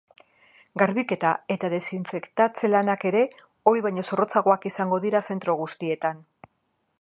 Garbiketa eta desinfektatze lanak ere ohi baino zorrotzagoak izango dira zentro guztietan.